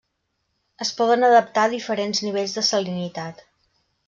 Es poden adaptar a diferents nivells de salinitat.